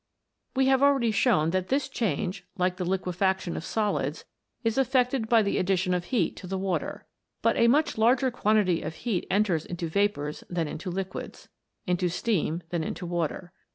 We have already shown that this change, like the liquefaction of solids, is effected by the addition of heat to the water. But a much larger quantity of heat enters into vapours than into liquids into steam than into water.